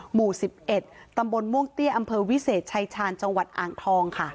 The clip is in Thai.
หมู่๑๑ตำบลม่วงเตี้ยอำเภอวิเศษชายชาญจังหวัดอ่างทองค่ะ